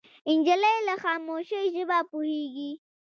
نجلۍ له خاموشۍ ژبه پوهېږي.